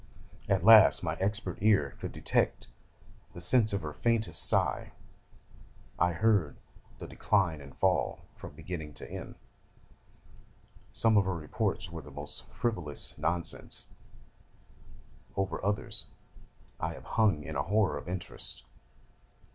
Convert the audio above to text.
At last my expert ear could detect the sense of her faintest sigh. I heard the "Decline and Fall" from beginning to end. Some of her reports were the most frivolous nonsense: over others I have hung in a horror of interest.